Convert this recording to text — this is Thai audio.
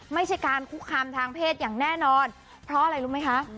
ไม่ใช่การคุกคามทางเพศอย่างแน่นอนเพราะอะไรรู้ไหมคะ